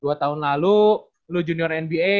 dua tahun lalu lo junior nba